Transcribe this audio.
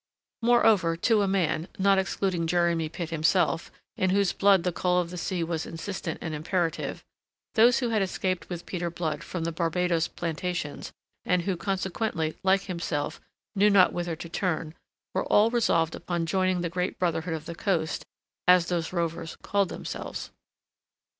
Moreover, to a man not excluding Jeremy Pitt himself, in whose blood the call of the sea was insistent and imperative those who had escaped with Peter Blood from the Barbados plantations, and who, consequently, like himself, knew not whither to turn, were all resolved upon joining the great Brotherhood of the Coast, as those rovers called themselves.